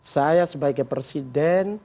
adalah saya sebagai presiden netral